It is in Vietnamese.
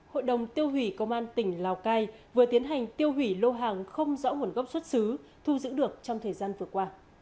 hội đồng tiêu hủy công an tỉnh lào cai vừa tiến hành tiêu hủy lô hàng không rõ nguồn gốc xuất xứ thu giữ được trong thời gian vừa qua